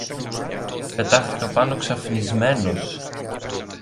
Πετάχτηκα πάνω ξαφνισμένος.